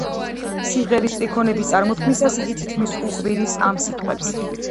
სიმღერის სტრიქონების წარმოთქმისას იგი თითქმის უყვირის ამ სიტყვებს.